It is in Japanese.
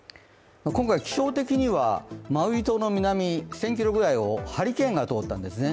今回、気象的にはマウイ島の南１０００ｋｍぐらいをハリケーンが通ったんですね。